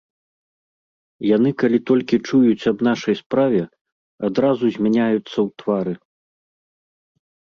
Яны калі толькі чуюць аб нашай справе, адразу змяняюцца ў твары.